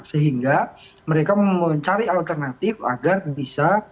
sehingga mereka mencari alternatif agar bisa